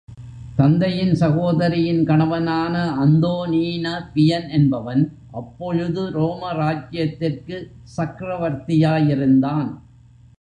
தந்தையின் சகோதரியின் கணவனான அந்தோனீன பியன் என்பவன் அப்பொழுது ரோம ராஜ்யத்திற்குச் சக்ரவர்த்தியாயிருந்தான்.